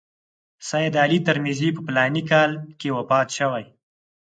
سید علي ترمذي په فلاني کال کې وفات شوی.